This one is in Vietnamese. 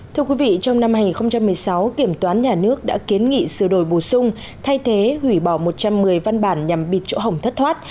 thưa quý vị trong năm hai nghìn một mươi sáu kiểm toán nhà nước đã kiến nghị sửa đổi bổ sung thay thế hủy bỏ một trăm một mươi văn bản nhằm bịt chỗ hỏng thất thoát